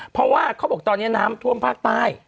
เพราะว่าเขาบอกว่าตอนนี้น้ำท่วมภาครวุ่นต่าย